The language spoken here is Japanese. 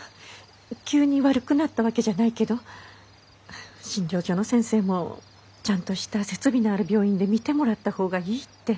急に悪くなったわけじゃないけど診療所の先生もちゃんとした設備のある病院で診てもらった方がいいって。